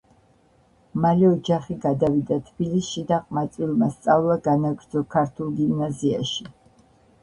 მალე ოჯახი გადავიდა თბილისში და ყმაწვილმა სწავლა განაგრძო ქართულ გიმნაზიაში.